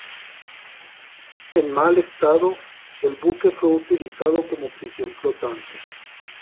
En mal estado, el buque fue utilizado como prisión flotante.